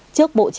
trước bộ chính trị